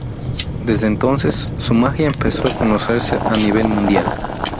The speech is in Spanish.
Desde entonces, su magia empezó a conocerse a nivel mundial.